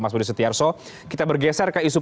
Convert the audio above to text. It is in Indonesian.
mas budi setiarso kita bergeser ke isu